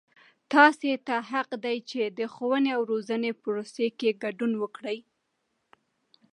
تاسې ته حق دی چې د ښووني او روزنې پروسې کې ګډون وکړئ.